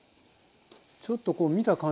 ちょっとこう見た感じ。